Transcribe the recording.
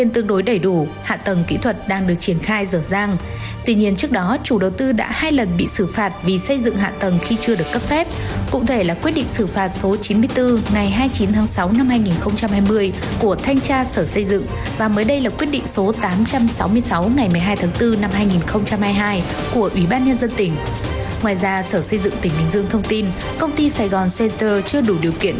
ngoài ra sở xây dựng tỉnh bình dương thông tin công ty saigon center chưa đủ điều kiện